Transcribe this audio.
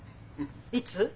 いつ？